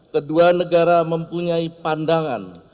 kedua negara mempunyai pandangan